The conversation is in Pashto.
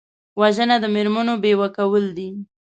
وژنه د مېرمنو بیوه کول دي